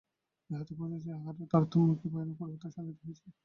ইহাতেই বুঝা যায় যে, আহারের তারতম্যে কি ভয়ানক পরিবর্তন সাধিত হইয়াছে।